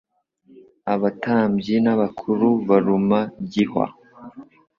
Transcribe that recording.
abatambyi n'abakuru baruma gihwa,